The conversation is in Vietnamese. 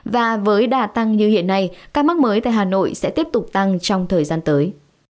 và với đà tăng như hiện nay ca mắc mới tại hà nội sẽ tiếp tục tăng trong thời gian tới